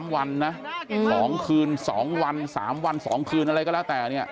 ๓วันนะ๒คืน๒วัน๓วัน๒คืนอะไรก็แล้วแต่เนี่ย